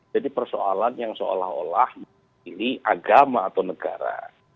persoalan yang seolah olah memilih agama atau negara